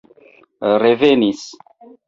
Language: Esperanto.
revenis